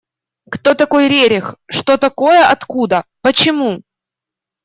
Кто такой Рерих, что такое, откуда, почему?